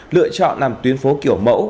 lựa chọn làm tuyên phố kiểu mẫu